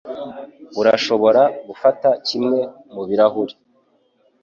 Urashobora gufata kimwe mubirahure.